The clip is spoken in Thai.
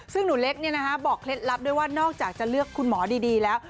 ซึ่งหนูเล็กบอกเคล็ดลับด้วยว่านอกจากจะเลือกคุณหมอดีแล้ว